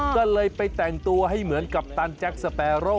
ก็เลยไปแต่งตัวให้เหมือนกัปตันแจ็คสเปโร่